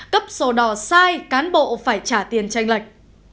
cấp sổ đỏ sai cán bộ phải trả tiền tranh lệch